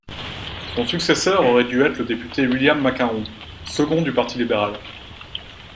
Son successeur aurait dû être le député William McMahon second du parti libéral.